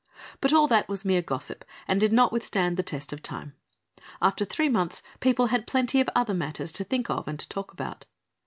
But all that was mere gossip and did not withstand the test of time. After three months people had plenty of other matters to think of and to talk about.